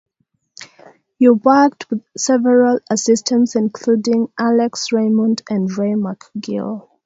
Young worked with several assistants, including Alex Raymond and Ray McGill.